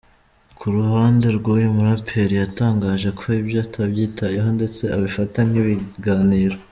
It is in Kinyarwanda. Ku ruhande rw’uyu muraperi yatangaje ko ibyo atabyitayeho ndetse abifata nk’ibiganiro.